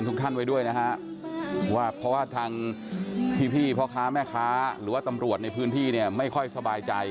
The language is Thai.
เมื่อผ่านผลวันมันเหนื่อยล้างเราต่างไม่รู้และได้เข้าใจ